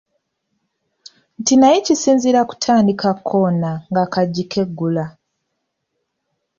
Nti naye kizira kutandika kukoona ng’akaggi keggula.